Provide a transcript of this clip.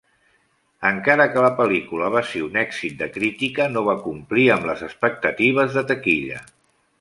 Encara que la pel·lícula va ser un èxit de crítica, no va complir amb les expectatives de taquilla.